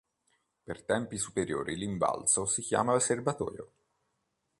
Per tempi superiori l'invalso si chiama serbatoio.